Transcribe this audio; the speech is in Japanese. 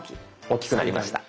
大きくなりました。